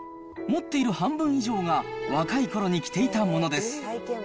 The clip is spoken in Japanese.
持っている半分以上が若いころに着ていたものです。